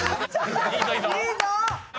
いいぞ！